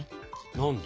何で？